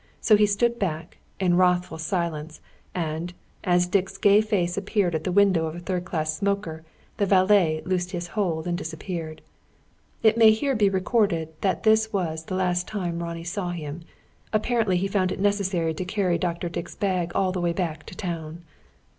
So he stood back, in wrathful silence, and, as Dick's gay face appeared at the window of a third class smoker, the "valet" loosed his hold and disappeared. It may here be recorded that this was the last time Ronnie saw him. Apparently he found it necessary to carry Dr. Dick's bag all the way back to town.